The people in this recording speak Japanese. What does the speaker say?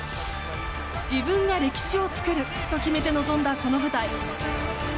自分が歴史を作ると決めて臨んだこの舞台。